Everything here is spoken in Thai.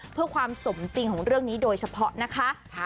เพื่อความสมจริงของเรื่องนี้โดยเฉพาะนะคะ